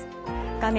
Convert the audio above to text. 画面